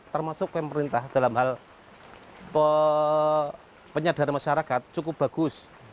termasuk pemerintah dalam hal penyadaran masyarakat cukup bagus